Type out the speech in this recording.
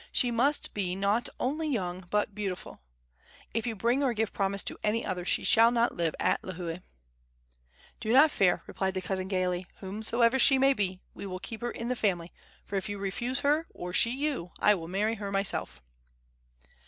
She must be not only young but beautiful. If you bring or give promise to any other, she shall not live at Lihue!" "Do not fear," replied the cousin, gaily. "Whomsoever she may be, we will keep her in the family; for if you refuse her, or she you, I will marry her myself!"